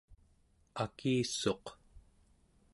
akissuq